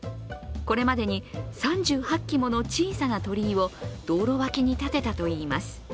これまでに３８基もの小さな鳥居を道路脇に建てたといいます。